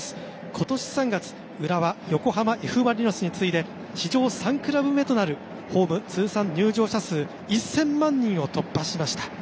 今年３月浦和、横浜Ｆ・マリノスについで史上３クラブ目となるホーム通算入場者数１０００万人を突破しました。